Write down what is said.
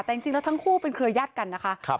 แต่จริงแล้วทั้งคู่เป็นเครือญาติกันนะคะ